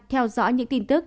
theo dõi những tin tức